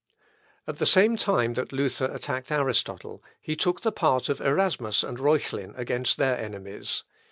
At the same time that Luther attacked Aristotle, he took the part of Erasmus and Reuchlin against their enemies.